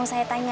siapa yang kena